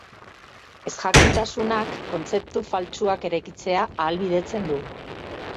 Ezjakintasunak kontzeptu faltsuak eraikitzea ahalbidetzen du.